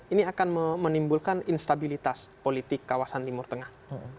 ini akan menimbulkan instabilitas politik kawasan timur tengah